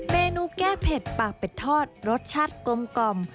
เมนูแก้เผ็ดปากเป็ดทอดรสชาติกลมกล่อม